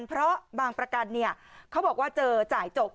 เพราะบางประกันเขาบอกว่าเจอจ่ายจบ